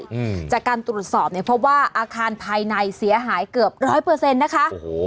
อืมจากการตรวจสอบเนี่ยพบว่าอาคารภายในเสียหายเกือบร้อยเปอร์เซ็นต์นะคะโอ้โห